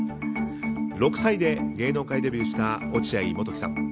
６歳で芸能界デビューした落合モトキさん。